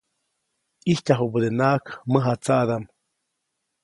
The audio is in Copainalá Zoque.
ʼIjtyajubädenaʼajk mäjatsaʼdaʼm.